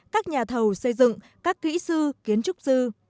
các nhà thầu xây dựng các kỹ sư kiến trúc sư